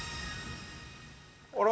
◆あら？